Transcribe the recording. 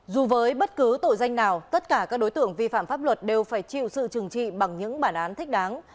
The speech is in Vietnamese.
dù với bất cứ tội danh nào tất cả các đối tượng vi phạm pháp luật đều phải chịu sự trừng trị bằng những bản thân